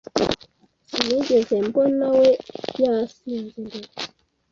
Sinigeze mbonawe yasinze mbere.